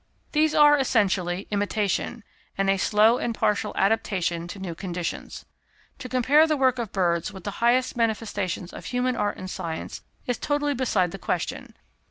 These are, essentially, imitation, and a slow and partial adaptation to new conditions. To compare the work of birds with the highest manifestations of human art and science, is totally beside the question.